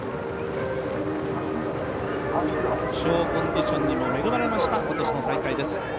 気象コンディションにも恵まれました今年の大会です。